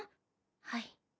はい。